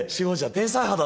天才肌だ。